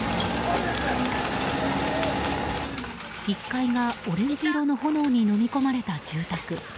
１階がオレンジ色の炎にのみ込まれた住宅。